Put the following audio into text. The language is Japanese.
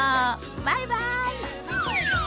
バイバイ。